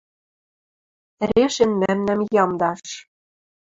Решен мӓмнӓм ямдаш